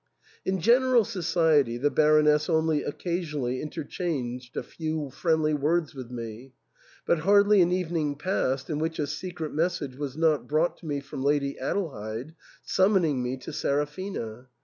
In general society the Baroness only occasionally in terchanged a few friendly words with me ; but hardly an evening passed in which a secret message was not brought to me from Lady Adelheid, summoning me to Seraphina.